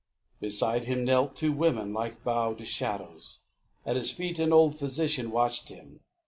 Beside him knelt Two women, like bowed shadows. At his feet, An old physician watched him.